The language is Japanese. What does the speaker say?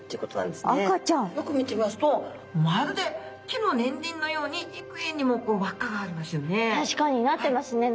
よく見てみますとまるで木の年輪のようにいくえにも輪っかがありますよね。